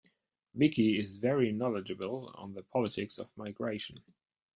Vicky is very knowledgeable on the politics of migration.